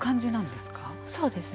そうですね。